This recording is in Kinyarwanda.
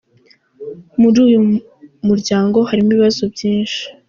Muri uyu mu ryango harimo ibibazo byinshi.